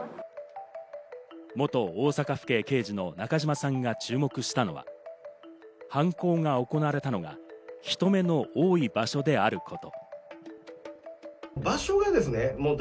元大阪府警刑事の中島さんが注目したのは、犯行が行われたのが人目の多い場所であること。